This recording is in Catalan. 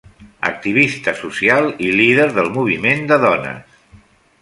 Activista social i líder del moviment de dones.